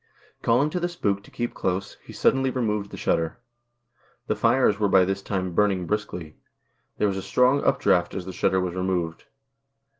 Calling to the spook to keep close, he suddenly removed the shutter. The fires were by this time burning briskly. There was a strong up draught as the shutter was removed.